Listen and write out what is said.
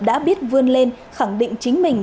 đã biết vươn lên khẳng định chính mình